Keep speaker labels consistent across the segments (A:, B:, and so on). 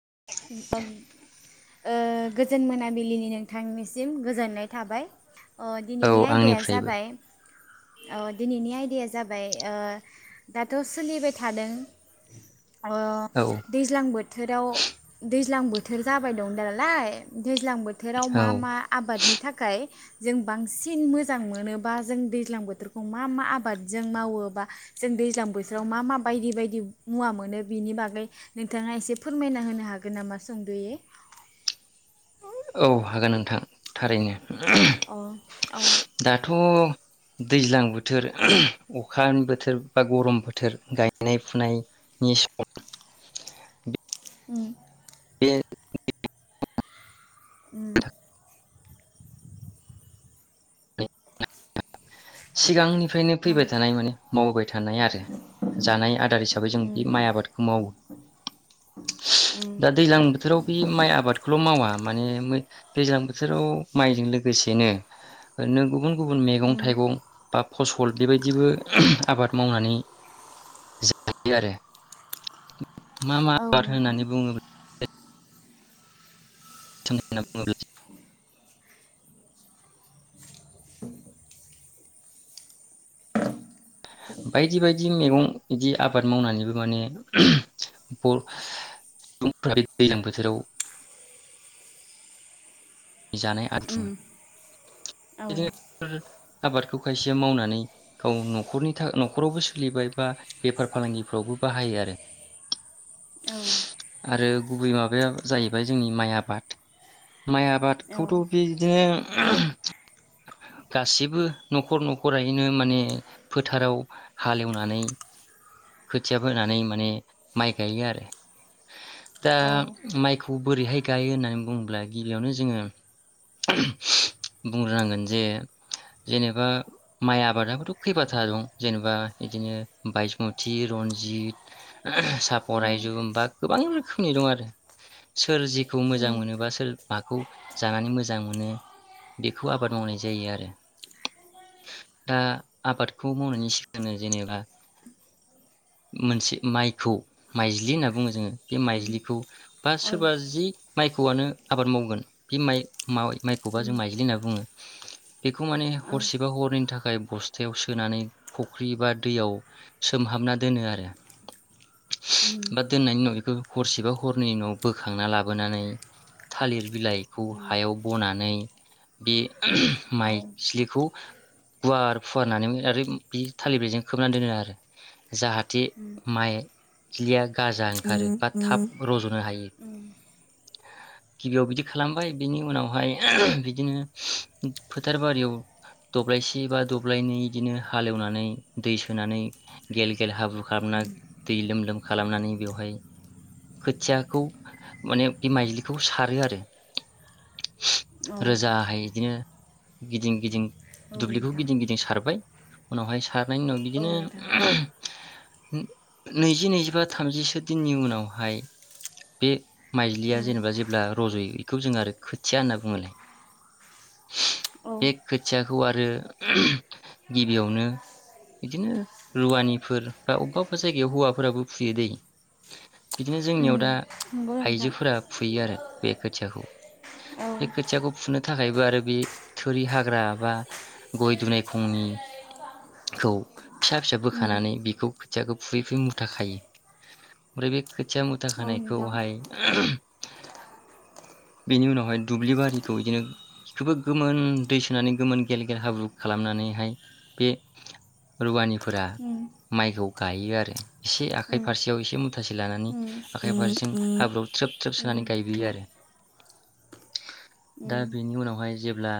A: [unintelligible] ओ गोजोन मोनाबिलिनि नोंथांनिसिम गोजोननाय थाबाय अ
B: औ
A: दिनैनि आयदाया
B: आंनिफ्रायबो
A: जाबाय औ दिनैनि आयदाया जाबाय दाथ' सोलिबाय थादों ओ
B: औ
A: दैज्लां बोथोराव दैज्लां बोथोर जाबाय दं दालाय दैज्लां बोथोराव
B: औ
A: मा मा आबादनि थाखाय जों बांसिन मोजां मोन बा जों दैज्लां बोथोरखौ मा मा आबादजों मावो बा जों दैज्लां बोथोराव मा मा बायदि बायदि मुवा मोनो बेनि बागै नोंथाङा एसे फोरमायना होनो हागोन। [unintelligible] नामा सुंद'यै?
B: औ हागोन नोंथां थारैनो। [unintelligible]
A: अ अ
B: दाथ' दैज्लां बोथोर अखानि बोथोर बा गरम बोथोर गायनाय फुनायनि सम
A: उम
B: बे
A: उम
B: सिगांनिफ्रायनो
A: अ
B: फैबाय थानाय माने मावबाय थानाय आरो जानाय आदार हिसाबै जों बे
A: उम
B: माइ आबादखौ मावो
A: उम
B: दा दैज्लां बोथोराव बे माइ आबादखौल' मावा माने मै दैज्लां बोथोराव माइजों लोगोसेनो एरैनो गुबुन गुबुन
A: उम
B: थाइगं बा फसल बेबायदिबो आबाद मावनानै जायो आरो। मा मा
A: औ
B: आबाद
A: नोंथां
B: होननानै बुङोब्ला। [unintelligible] बायदि बायदि मैगं बिदि आबाद मावनानैबो माने बर' सुबुंफोरा बे दैज्लां बोथोराव नि जानाय आ
A: उम
B: [unintelligible]
A: औ
B: बिदिनो आबादखौ खायसेया मावनानै गाव न'खरनि न'खरावबो सोलिबाय बा बेफार फालांगिफ्रावबो बाहायो आरो।
A: औ
B: आरो गुबै माबाया जाहैबाय जोंनि माइ आबाद माइ
A: औ
B: आबादखौथ' बिदिनो [unintelligible] गासिबो न'खर न'खरैनो इदिनो माने फोथाराव हालेवनानै खोथिया फोनानै माने माइ गायो आरो। दा
A: औ
B: माइ बोरैहाय गायो होननानै बुङोब्ला गिबियावनो जोङो बुंग्रोनांगोन जे जेनेबा माइ आबादाबोथ' खैबाथा दं जेनेबा बिदिनो बाय थि रनजित
A: उम
B: सापरायजों बा गोबां रोखोम नि दं आरो सोर जिखौ
A: उम
B: मोजां
A: उम
B: मोनोबा सोर माखौ जानानै मोजां मोनो बेखौ आबाद मावनाय जायो आरो दा आबादखौ मावनायनि सिगांनो जेनेबा मोनसे माइखौ माइज्लि होनना बुङो जोङो बे माइज्लिखौ बा
A: औ
B: सोरबा जि माइखौआनो आबाद मावगोन बे माइ माइ माइखौबा
A: उम
B: जों माइज्लि होनना बुङो [inaudible] बेखौ माने
A: औ
B: हरसेबा हरैनि थाखाय बस्थायाव सोनानै फ्रि बा दैयाव सो सोमहाबना दोनो आरो बा दोननायनि उनाव बेखौ हरसेबा हरनैनि उनाव बोखांना लाबोनानै थालिर बिलाइखौ हायाव बनानै बे
A: औ
B: माइज्लिखौ गुवार फुवार होननानै आरो बे थालिर बेजों खोबनानै दोनो आरो जाहाथे माइ [unintelligible] गाजा ओंखारो बा थाब
A: नोंथां
B: रज'नो हायो। गिबियाव बिदि खालामबाय बिनि उनावहाय बिदिनो फोथार बारियाव दब्लायसे बा दब्लायनै बिदिनो हालेवनानै दै सोनानै गेल गेल हाब्रु खालामना दै लोम लोम खालामनानै बेवहाय खोथियाखौ माने बे माइज्लिखौ सारो आरो रोजाहाय इदिनो गिदिं गिदिं दुब्लिखौ गिदिं गिदिं सारबाय [unintelligible] सारनायनि उनाव
A: औ
B: बिदिनो
A: नोंथां
B: नैजि नैजिबा थामजिसो दिननि उनावहाय बे माइज्लिया जेनेबा जेब्ला रज'यो बेखौ जों आरो खोथिया होनना बुङोलाय
A: औ
B: बे खोथियाखौ आरो गिबियावनो बिदिनो रुवानिफोर बा अबेबा अबेबा जायगायाव हौवाफोराबो फुयो दै बिदिनो
A: उम
B: जोंनियाव दा
A: नंगौ नोंथां
B: आइजोफोरा फुयो आरो बे खोथियाखौ
A: औ
B: बे खोथियाखौ फुनो थाखायबो आरो बे थोरि हाग्रा बा गय दुनाय खंनिखौ फिसा फिसा
A: उम
B: बोखानानै बिखौ खोथियाखौ फुयै फुयै मुथा खायो ओमफ्राय बे खोथिया मुथा
A: औ नोंथां
B: खानायखौहाय बिनि उनावहाय दुब्लि बारिखौ इदिनो इखोबो गोमोन दै सोनानै गोमोन गेल गेल हाब्रु खालामनानैहाय बे रुवानि फोरा
A: उम
B: माइखौ गायो आरो एसे आखाइ
A: उम
B: फारसेयाव एसे मुथासे लानानै
A: उम
B: आखाइ
A: उम
B: फारसेजों हाब्रुआव थ्रोब थ्रोब सो नानै
A: नोंथां
B: गायबोयो आरो दा बिनि उनावहाय जेब्ला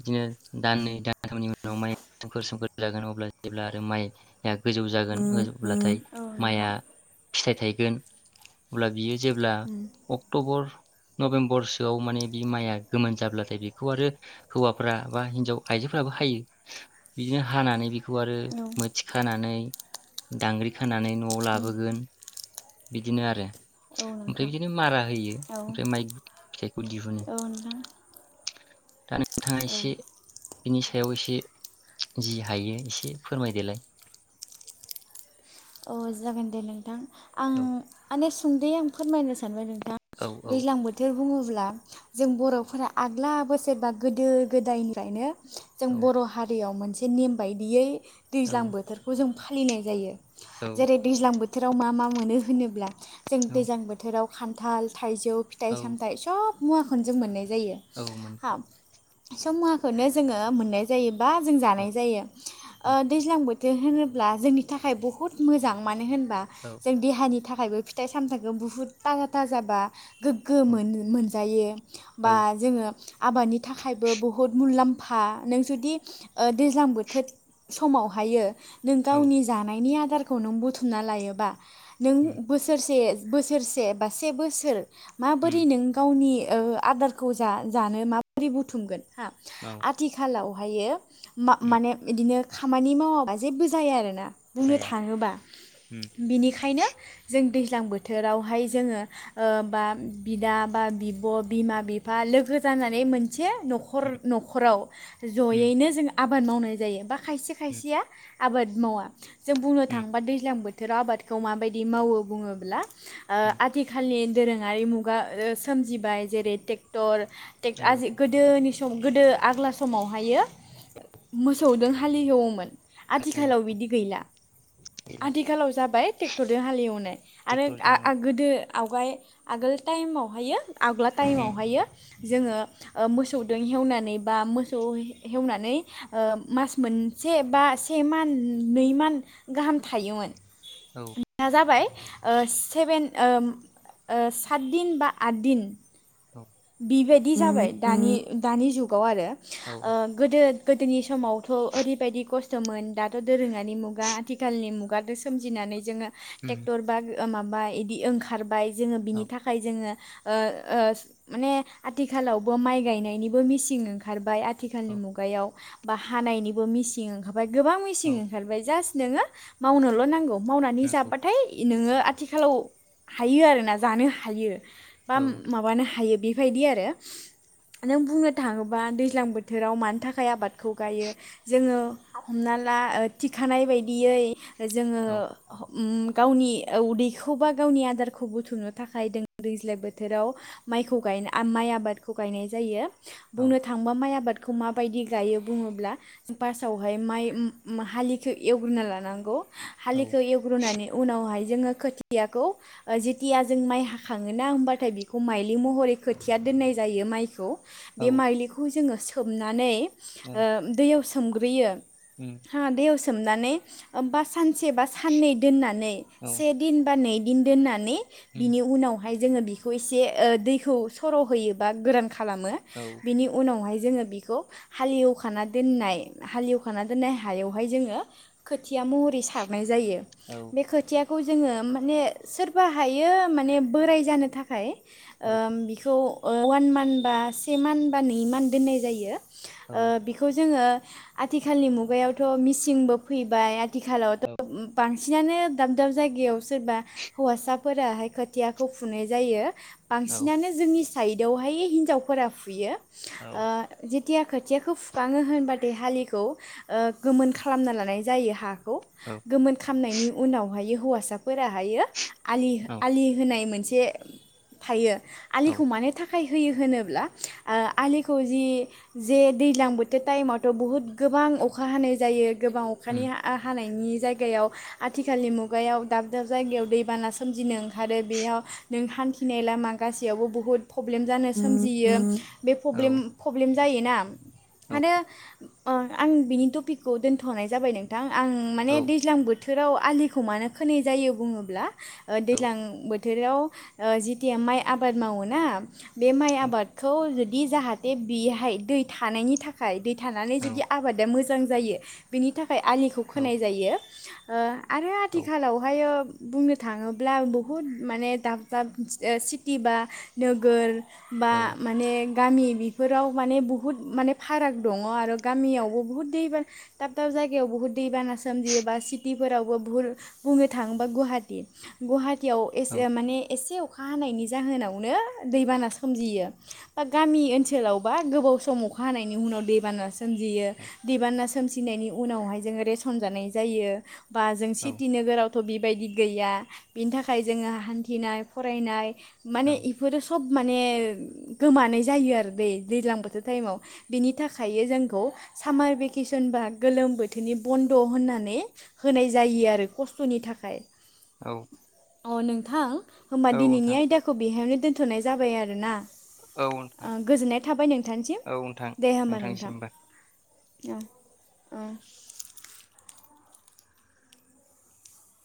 B: इदिनो दाननै दानथामनि उनाव माइ सोमखोर सोमखोर जागोन अब्ला जेब्ला आरो माइ आ गोजौ
A: उम
B: जागोन
A: औ
B: ओब्लाथाय
A: नोंथां
B: माइआ फिथाइ थायगोन अब्ला बियो जेब्ला
A: उम
B: अक्ट'बर नभेम्बरसोआव माने बि माइआ गोमोन जाब्लाथाय बेखौ आरो हौवाफ्रा बा हिनजाव आइजोफ्राबो हायो बिदिनो हानानै बि खौ आरो
A: औ
B: मोथि खानानै दांग्रि खानानै न'आव
A: उम
B: लाबोगोन बिदिनो आरो।
A: औ
B: ओमफ्राय
A: नोंथां
B: बिदिनो मारा होयो
A: औ
B: ओमफ्राय माइ फिथाइखौ दि
A: औ नोंथां
B: दा नोंथाङा
A: औ
B: इसे बिनि सायाव इसे जि हायो इसे फोरमायदोलाय।
A: अ जागोन दे नोंथां। आं
B: औ
A: आनेस सोंदै आं फोरमायनो सानबाय नों थां
B: औ औ
A: दैज्लां बोथोर बुङो ब्ला जों बर'फोरा आग्ला बोसोरबा गोदो गोदायनिफ्रायनो जों
B: औ
A: बर' हारियाव मोनस बे निम बायदियै दैज्लां
B: औ
A: बोथोरखौ जों फालिनाय जायो
B: औ
A: जेरै दैज्लां बोथ थोराव मा मा मोनो होनोब्ला जों
B: औ
A: दैजां बोथोराव खान्थाल थाइजौ फिथाइ
B: औ
A: सामथाइ सब मुवाखौनो जों मोननाय जायो
B: औ मोन
A: हा सब मुवाखौनो जोङो मोननाय जायो बा जों
B: औ
A: जानाय जायो ओ
B: औ
A: दैज्लां बोथ थे होनोब्ला जोंनि थाखाय बुह हुत मोजां मानो होन बा
B: औ
A: जों देहानि था खायबो फिथाइ सामथाइखो बुहुत थाजा थाजाबा गोग्गो
B: औ
A: मोन मोनजायो
B: औ
A: बा जोङो आबादनि थाखायबो बुहुत मुलाम्फ फा नों जुदि दैज्लां ओ बोथोर समावहायो नों
B: औ
A: गावनि जानायनि आर आदारखौ नों बुथुमना लायोबा नों
B: उम
A: बोसोरसे बोसोरसे बा से बोसोर माबोरै
B: उम
A: नों गावनि ओ आदारखौ जा-जानो माबोरै बुथुमगोन हा
B: औ
A: आथिखालाव हायो मा
B: उम
A: माने इदिनो खामानि मावाबा जेबो जाया आरोना बुंनो
B: जाया उम
A: बिनिखायनो जों दैज्लां बोथोरावहाय जोङो ओ बा बिदा बा बिब' बिमा बिफा लोगो जानानै मोन मोनसे न'खर
B: उम
A: न'खराव
B: उम
A: ज'यैनो जों आब आबाद मावनाय जायो बा खायसे
B: उम
A: खायसेया आबाद मावा जों बुंनो
B: उम
A: थाङोबा दैज्लां बोथोर बोथोराव आबादखौ माबायदि मावो बुङोब्ला ओ
B: उम
A: आथिखालनि दोरोङारि मुगा ओ सोमजिबाय जेरै ट्रेक्टर टेक
B: औ
A: आजि गोदोनि सम गोदो आग्ला समावहायो मोसौजों हालेवोमोन
B: हालेव
A: आथिखालाव बिदि गैला
B: गैला
A: आथिखालाव जाबाय ट्रेक्टरजों हाले एवनाय आरो
B: ट्रेक्टरजों
A: आ- आ गोदो आवगाय आगोल टाइमावहायो आग्ला
B: उम
A: टाइमावहायो जोङो ओ मोसौजों हेवनानै बा मोसौ हेवनानै मास मोनसे बा से मान नै मान गाहाम थायोमोन
B: औ
A: दा जाबाय ओ सेभेन सात दिन बा आद दिन
B: औ
A: बेबायदि जाबाय दानि दानि जुगाव आरो
B: औ
A: ओ गोदो गोदोनि समावथ' ओरैबायदि खस्थ'मोन दाथ' दोरोङ दानि मुगा आथिखालनि मुगा सोमजिनानै जोङो
B: उम
A: ट्रेक्टर बा माबा बिदि ओंखार ओंखारबाय जोङो बिनि
B: औ
A: थाखाय जोङो ओ ओ माने आथिखालावबो माइ गायनायनिबो मिसिन ओंखारबाय आथिखालनि
B: औ
A: मुगायाव बा हानायनिबो मिसिं ओंखारबाय ओमफ्राय गोबां मेसिं
B: औ
A: ओंखारबाय जास्ट नोङो मावनोल' नांगौ मावनानै
B: नंगौ
A: जाबाथाय नोङो आथिखालाव हायो आरोना जानो हायो बा
B: औ
A: माबानो हायो बेबायदि आरो नों बुंनो थाङोबा दैज्लां बोथोराव मानि थाखाय आबादखौ गायो जोङो हमना ला थिखानाय बायदियै जोङो
B: औ
A: गावनि उदैखौ बा गावनि आदारखौ बुथुमनो थाखायों दैज्लां बोथोराव माइखौ खौ गाय माइ आबादखौ गायनाय जायो
B: औ
A: बुंनो थांबा माइ आबादखौ खौ माबायदि गायो बुङोब्ला फास्टआवहाय माइ हालिखौ एवग्रोना लानांगौ
B: औ
A: हालिखौ एवग्रोनानै उनावहाय जोङो खोथियाखौ जेथिया जों माइ हाखाङोना होमबाथाय बेखौ माइलि महरै खोथिया दोननाय जायो माइखौ
B: औ
A: बे माइलिखौ जोङो सोमनानै
B: औ
A: दैयाव सोमना
B: उम
A: सोमग्रोयो [unintelligible] सोमनानै ओम सानसे बा साननै दोननानै
B: औ
A: से दिन बा नै दिन दोननानै
B: उम
A: बिनि उनाव ओमफाय जोङो बेखौ एसे ओ दैखौ सर' होयोबा गो खालामो
B: औ
A: बिनि उनावहाय जोङो बेखौहाय हालेवखाना दोननाय हायावहाय जोङो खोथिया महरै सारनाय जायो बे खोथिया खौ जोङो माने सोरबा हायो माने बोराय जानो थाखाय
B: औ
A: ओ बिखौ अवान मान्थ बा से मान्थ बा नै मान्थ दोननाय जायो। ओ
B: औ
A: बिखौ जोङो आथिखालनि मुगायावथ' मिसिंबो फैबाय खालावथ'
B: औ
A: [unintelligible] बांसिनानो दाब दाब जायगायाव सोरबा हौवासाफोराहाय खोथियाखौ फुनाय जायो। बांसिनानो जोंनि साइदआवहाय हिन्जावफोरा फुयो।
B: औ
A: औ‌ जे खोथिया खोथियाखौ फुखाङो होनबाथाय हालिखौ गोमोन खालामना लानाय जायो हा खौ गोमोन खामनायनि उनाव हुवा फोराहायो आ
B: औ
A: आलि होनाय मोनसे सेे थायो। आलिखौ मानि थाखाय आखाइ होयो होनोब्ला ओ आलिखौ जि जे दैज्लां बोथोर टाइमावथ' बहुत गोबां अखा हानाय जायो गोबां अखानि
B: उम
A: हा हानायनि जायगायाव आथिखालनि मुगायाव दाब दाब जायगायाव दैबाना सोमजिदों। आरो बेयाव नों फिनाय लामा गासैयावबो बुहुद प्रब्लेम जानो सोमजियो बेे
B: औ
A: प्रब्लेम प्रब्ले जायो ना। आरो अ आं बिनि टपिकखौ दोनथ'नाय जाबाय नोंथां। आं माने दैज्लां बो औ बोथोराव आलिखौ मानो खोनाय जायो बुङोब्ला ओ दैज्लां बोथो बोथोराव ओ जिथिया माइ आबाद मावोना बे माइ आबादखौ जुदि दि जाहाथे बेहाय दै थानायनि थाखाय दै थानानै
B: औ
A: जुदि आबादा मोजां मोजां जायो बेनि थाखाय ओमफ्राय आलिखौ खोनाय जायो। ओ आरो आथिखालावहायो बुंनो थाङोब्ला बहुद माने दाब दाब सिटि बा नोगोर बा माने गामि बेफोराव माने बुहुद माने फाराग दङ आरो गामियावबो बुहुद दैबार दाब दाब जायगायाव बुहुद दैबाना सोमजियोबा सिटि फोरावबो भुल बुंनो थाङोबा गुवाहाटि गुहा याव एसे माने एसे अखा हानायनि जाहोनावनो दैबाना सोमजियो बा गामि ओनसोलावबा गोबाव सम अखा हानायनि उनाव दैबाना सोमजियो दैबाना सोमजिनायनि उनावहाय जोङो रेसन जानाय जायो। बा जों सिटि नोगोराव थ' बिबायदि गैया बिनि थाखाय जोङो हान्थिनाय फरायनाय माने इफोरो सब माने गोमानाय जायो आरो दै दैज्लां बोथोर टाइमाव बिनि थाखायो जोंखौ सामार भेकेसन बा गोलोम बोथोरनि बन्द' होननानै होनाय जायो आरो खस्थ'नि थाखाय
B: औ
A: अ नोंथां होमबा दिनैनि
B: नोंथां
A: आयदाखौ बेहायनो दोन्थ'नाय जाबाय आरो ना
B: औ नोंथां
A: गोजोननाय थाबाय नोंथांसिम
B: औ नोंथां
A: दे होमबा नोंथां
B: नोंथांनिसिमबो
A: औ ओ